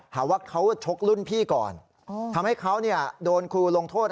หาว่าเขาชกรุ่นพี่ก่อนทำให้เขาโดนครูลงโทษ